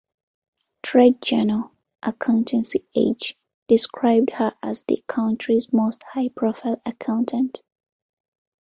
Trade journal "Accountancy Age" described her as "the country's most high profile accountant".